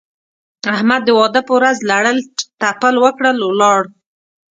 احمد د واده په ورځ لړل تپل وکړل؛ ولاړ.